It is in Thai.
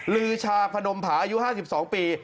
ลือชาพนมผาอายุ๕๒ปี